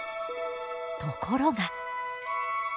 ところが。